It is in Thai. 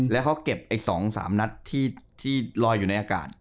แล้วเขาเก็บอีก๒๓นัดที่ลอยอยู่ในอากาศ